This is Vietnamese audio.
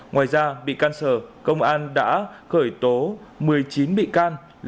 ngoài ra bị can sờ công an đã khởi tố một mươi chín bị can